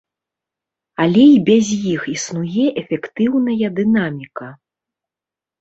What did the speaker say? Але і без іх існуе эфектыўная дынаміка.